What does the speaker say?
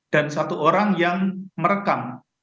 dan satu orang yang merekam